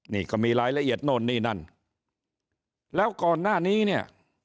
นี่ก็มีรายละเอียดโน่นนี่นั่นแล้วก่อนหน้านี้เนี่ย